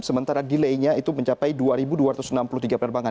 sementara delay nya itu mencapai dua dua ratus enam puluh tiga penerbangan